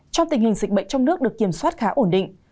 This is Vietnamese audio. trong tình hình dịch bệnh trong nước được kiểm soát khá ổn định